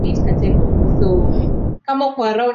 benki kuu ya tanzania ina akiba ya fedha za kigeni